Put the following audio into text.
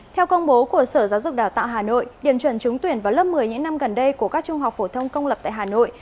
theo công bố của sở giáo dục đào tạo hà nội điểm chuẩn trúng tuyển vào lớp một mươi những năm gần đây của các trung học phổ thông công lập tại hà nội